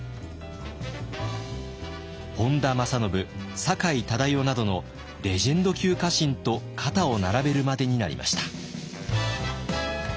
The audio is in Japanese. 本多正信酒井忠世などのレジェンド級家臣と肩を並べるまでになりました。